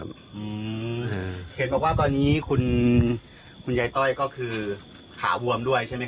ครับอืมเห็นบอกว่าตอนนี้คุณคุณยายต้อยก็คือขาววรรมด้วยใช่ไหมครับ